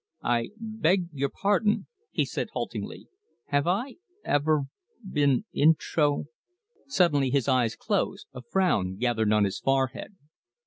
"I beg your pardon," he said haltingly, "have I ever been intro " Suddenly his eyes closed, a frown gathered on his forehead.